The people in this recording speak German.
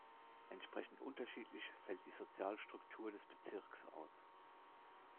Entsprechend unterschiedlich fällt die Sozialstruktur des Bezirks aus.